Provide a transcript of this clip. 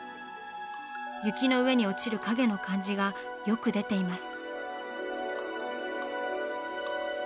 雪の上に落ちる影の感じがよく出ています。